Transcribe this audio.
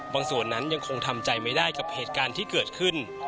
ส่วนนั้นยังคงทำใจไม่ได้กับเหตุการณ์ที่เกิดขึ้น